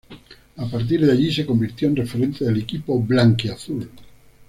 A partir de allí se convirtió en referente del equipo "blanquiazul".